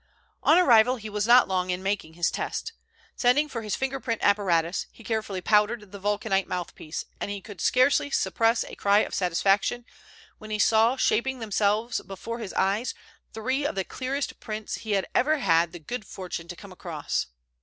On arrival he was not long in making his test. Sending for his finger print apparatus, he carefully powdered the vulcanite mouthpiece, and he could scarcely suppress a cry of satisfaction when he saw shaping themselves before his eyes three of the clearest prints he had ever had the good fortune to come across.